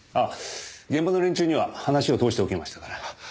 現場の連中には話を通しておきましたから。